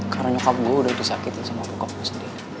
karena nyokap gue udah disakiti sama bukaku sendiri